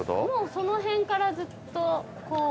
その辺からずっと。